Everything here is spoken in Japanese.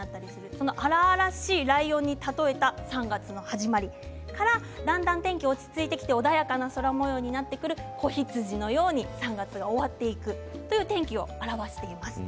その荒々しいライオンに例えた３月の始まりからだんだん天気が落ち着いてきて穏やかな空もようになってくる子羊のように３月が終わっていくという天気を表しています。